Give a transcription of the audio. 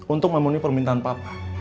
untuk memenuhi permintaan papa